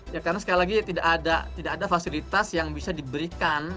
ya karena sekali lagi tidak ada fasilitas yang bisa diberikan